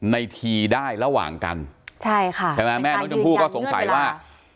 ในทีได้ระหว่างกันใช่ค่ะใช่ไหมแม่น้องชมพู่ก็สงสัยว่า